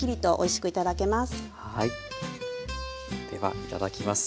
ではいただきます。